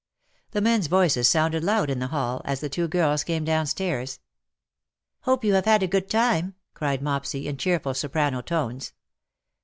The men 's voices sounded loud in the hall, as the two girls came downstairs. '^ Hope you have had a good time T' cried Mopsy, in cheerful soprano tones.